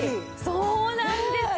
そうなんですよ。